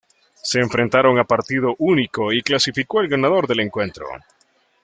Se enfrentaron a partido único y clasificó el ganador del encuentro.